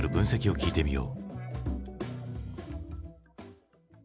聞いてみよう。